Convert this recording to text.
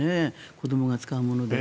子どもが使うもので。